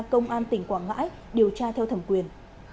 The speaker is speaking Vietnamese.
công an tỉnh quảng ngãi điều tra theo thẩm quyền